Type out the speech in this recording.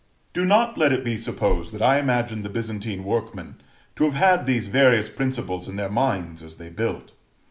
Do not let it be supposed that I imagine the Byzantine workmen to have had these various principles in their minds as they built.